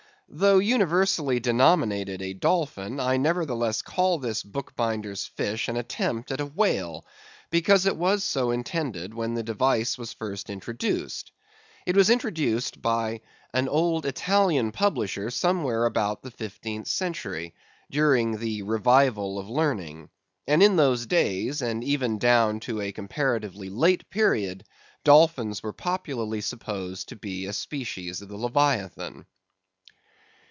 Though universally denominated a dolphin, I nevertheless call this book binder's fish an attempt at a whale; because it was so intended when the device was first introduced. It was introduced by an old Italian publisher somewhere about the 15th century, during the Revival of Learning; and in those days, and even down to a comparatively late period, dolphins were popularly supposed to be a species of the Leviathan.